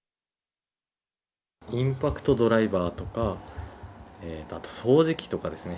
インパクトドライバーとか、あと掃除機とかですね。